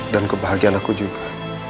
dan kebahagiaan aku juga